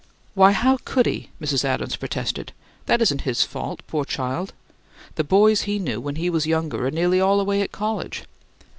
"Why, how could he?" Mrs. Adams protested. "That isn't his fault, poor child! The boys he knew when he was younger are nearly all away at college."